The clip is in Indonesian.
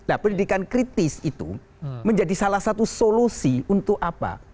nah pendidikan kritis itu menjadi salah satu solusi untuk apa